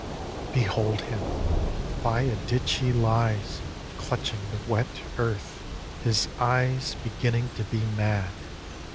Behold him! By a ditch he lies Clutching the wet earth, his eyes Beginning to be mad.